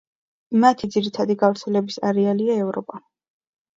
მათი ძირითადი გავრცელების არეალია ევროპა.